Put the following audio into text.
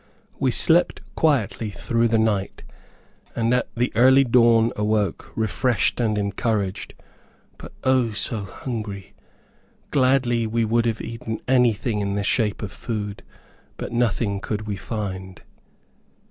We slept quietly through the night, and at the early dawn awoke, refreshed and encouraged, but O, so hungry! Gladly would we have eaten anything in the shape of food, but nothing could we find.